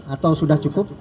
atau sudah cukup